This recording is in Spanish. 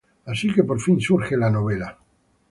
Así que por fin surge la novela.